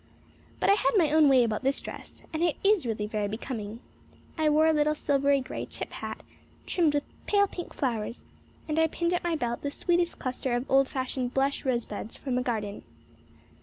But I had had my own way about this dress and it is really very becoming. I wore a little silvery grey chip hat, trimmed with pale pink flowers, and I pinned at my belt the sweetest cluster of old fashioned blush rosebuds from the garden.